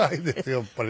やっぱり。